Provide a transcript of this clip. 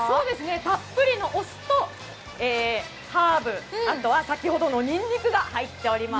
たっぷりのお酢とハーブ、あとは先ほどのにんにくが入っております。